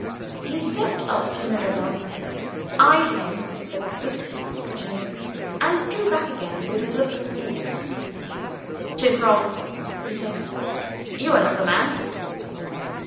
He stepped up to Mirabel eyed him with the closest scrutiny and drew back again with a look of relief. "She's wrong," he said; "you are not the man."